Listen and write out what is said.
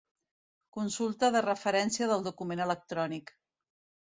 Consulta de referència del document electrònic.